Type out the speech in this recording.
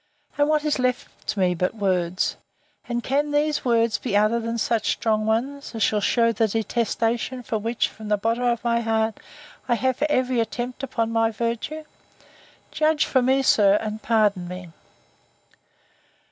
And what is left me but words?—And can these words be other than such strong ones, as shall shew the detestation which, from the bottom of my heart, I have for every attempt upon my virtue? Judge for me, sir, and pardon me.